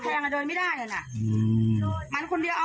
เป็นอย่างนี้อีกครั้งแล้วครับ